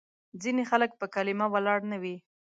ځینې خلک په کلیمه نه ولاړ وي.